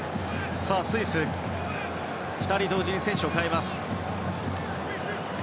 スイス２人同時に選手を代えます。